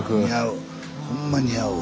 ほんま似合うわ。